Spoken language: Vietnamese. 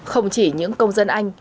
không chỉ những công dân anh